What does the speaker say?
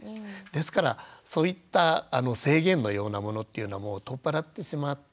ですからそういった制限のようなものっていうのはもう取っ払ってしまって